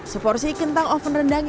seporsi kentang oven rendang